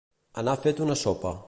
Anar fet una sopa.